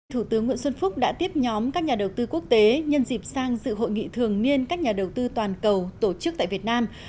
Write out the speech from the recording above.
thủ tướng nguyễn xuân phúc đã tiếp nhóm các nhà đầu tư quốc tế nhân dịp sang dự hội nghị thường niên các nhà đầu tư toàn cầu tổ chức tại việt nam